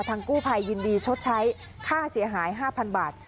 กู้ภัยยินดีชดใช้ค่าเสียหาย๕๐๐๐บาท